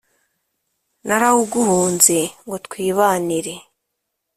narawuguhunze ngo twibanire